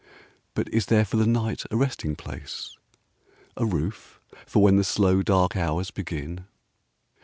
But is there for the night a resting place? A roof for when the slow dark hours begin.